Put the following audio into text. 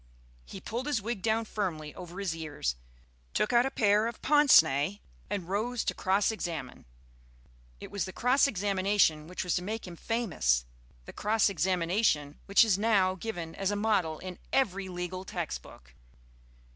He pulled his wig down firmly over his ears, took out a pair of pince nez and rose to cross examine. It was the cross examination which was to make him famous, the cross examination which is now given as a model in every legal text book.